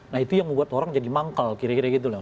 nah itu yang membuat orang jadi manggal kira kira gitu loh